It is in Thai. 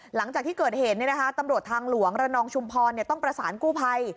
หลังจากที่เกิดเหตุตำรวจทางหลวงระนองชุมพรต้องประสานกู้ภัย